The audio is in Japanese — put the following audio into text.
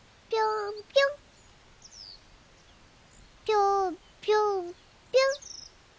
ぴょんぴょんぴょん！